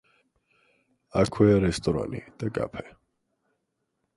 აქვეა რესტორანი და კაფე.